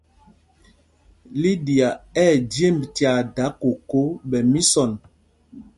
Liɗia ɛ̂ jemb tyaa dǎ koko ɓɛ misɔn.